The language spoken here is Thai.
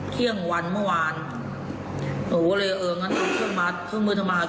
เที่ยงวันเมื่อวานหนูก็เลยเอองั้นรถเที่ยวมา